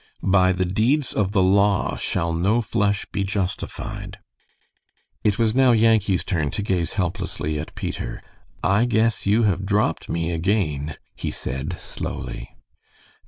"'By the deeds of the law shall no flesh be justified.'" It was now Yankee's turn to gaze helplessly at Peter. "I guess you have dropped me again," he said, slowly.